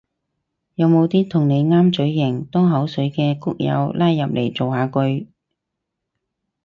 有冇啲同你啱嘴型多口水嘅谷友拉入嚟造下句